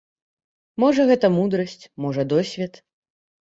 Можа, гэта мудрасць, можа, досвед.